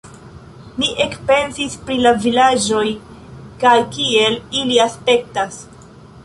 Mi ekpensis pri la vilaĝoj kaj kiel ili aspektas.